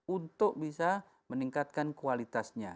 untuk bisa meningkatkan kualitasnya